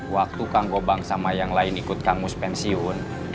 waktu kagum bang sama yang lain ikut kangus pensiun